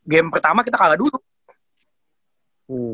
game pertama kita kalah dulu